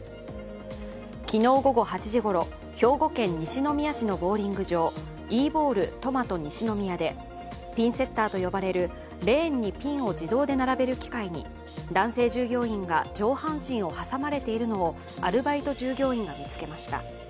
昨日午後８時ごろ、兵庫県西宮市のボウリング場、Ｅ−ＢＯＷＬトマト西宮でピンセッターと呼ばれるレーンにピンを自動で並べる機械に男性従業員が上半身を挟まれているのをアルバイト従業員が見つけました。